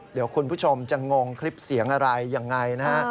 เดี๋ยวคุณผู้ชมจะงงคลิปเสียงอะไรยังไงนะฮะ